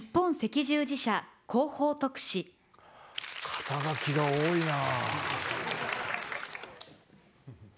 肩書が多いな。